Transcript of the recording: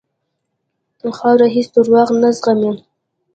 خاوره هېڅ دروغ نه زغمي.